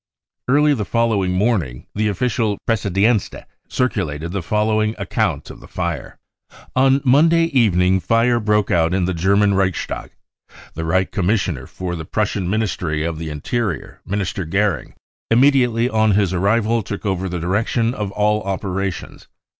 Early the following morning the official Preussische Pressedknst circulated" the following account of the fire : 46 On Monday evening fire broke out in the German Reichstag. The Reich Commissioner for the Prussian Ministry of the Interior, Minister Goering, immediately on his arrival took over the direction of all operations.